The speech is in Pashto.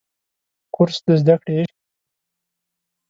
کورس د زده کړې عشق ښيي.